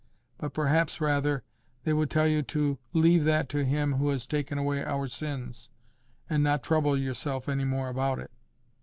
But perhaps rather, they would tell you to leave that to Him who has taken away our sins, and not trouble yourself any more about it.